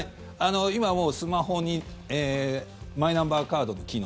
今、もうスマホにマイナンバーカードの機能